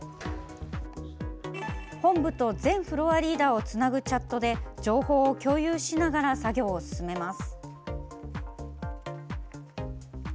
本部と全フロアリーダーをつなぐチャットで情報を共有しながら作業を進めます。